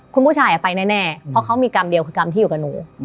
คุณผู้ชายไปแน่เพราะเขามีกรรมเดียวคือกรรมที่อยู่กับหนู